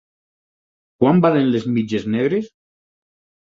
Quant valen les mitges negres?